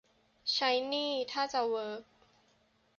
ใช้นี่ ท่าจะเวิร์ก